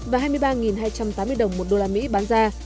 và hai mươi ba hai trăm tám mươi đồng một đô la mỹ bán ra